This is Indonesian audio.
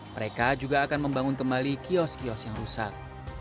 mereka juga akan membangun kembali kios kios yang rusak